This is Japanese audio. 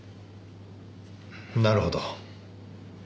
なるほど。